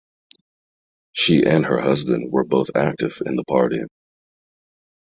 She and her husband were both active in the party.